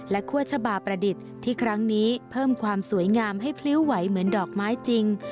คั่วชะบาประดิษฐ์ที่ครั้งนี้เพิ่มความสวยงามให้พลิ้วไหวเหมือนดอกไม้จริง